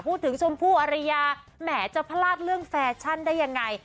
ชมพู่อริยาแหมจะพลาดเรื่องแฟชั่นได้ยังไง